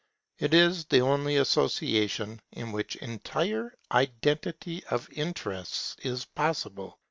It is the only association in which entire identity of interests is possible.